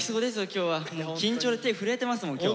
緊張で手震えてますもん今日。